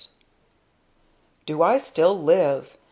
Do I still live!